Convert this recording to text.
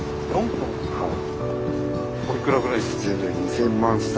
はい。